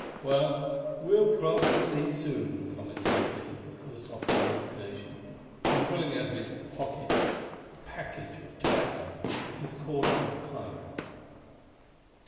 "Well, we'll probably soon see," commented Clee with philosophic resignation and pulling out of a hip pocket a package of tobacco and his corn cob pipe.